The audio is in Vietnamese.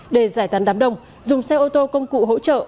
để giải tán đám đông dùng xe ô tô công cụ hỗ trợ